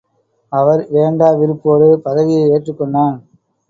அவன் வேண்டா விருப்போடு பதவியை ஏற்றுக்கொண்டான்.